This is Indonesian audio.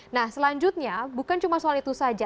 nah selanjutnya bukan cuma soal itu saja